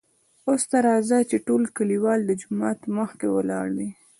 اوس ته راځه چې ټول کليوال دجومات مخکې ولاړ دي .